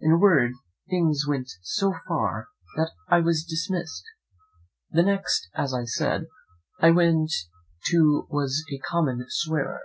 In a word, things went so far that I was dismissed. The next, as I said, I went to was a common swearer.